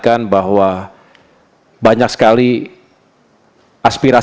lanjut aja lah ya mau sholat kita sholat